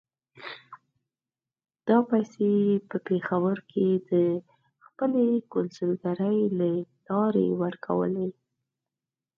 دا پیسې یې په پېښور کې د خپلې کونسلګرۍ له لارې ورکولې.